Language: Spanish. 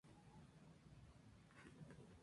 Su motocicleta se llama Rider Machine.